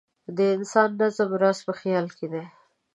د انساني نظم راز په خیال کې دی.